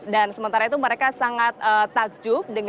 dan sementara itu mereka sangat takjub